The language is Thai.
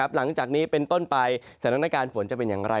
หลังจากนี้เป็นต้นไปสถานการณ์ฝนจะเป็นอย่างไร